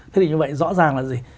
thế thì như vậy rõ ràng là gì